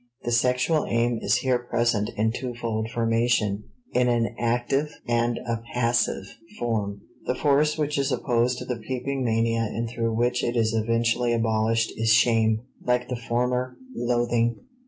The sexual aim is here present in twofold formation, in an active and a passive form. The force which is opposed to the peeping mania and through which it is eventually abolished is shame (like the former loathing).